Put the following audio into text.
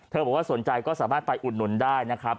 บอกว่าสนใจก็สามารถไปอุดหนุนได้นะครับ